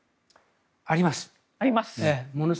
あります。